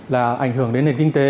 là ảnh hưởng đến nền kinh tế